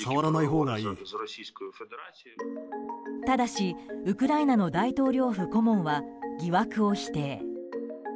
ただしウクライナの大統領府顧問は疑惑を否定。